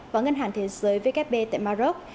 và ngân hàng thế giới vkp tại maroc